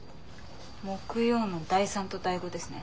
木曜の第３と第５ですね。